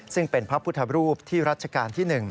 ซึ่งเป็นพระพุทธรูปที่รัชกาลที่๑